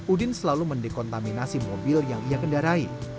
udin selalu mendekontaminasi mobil yang ia kendarai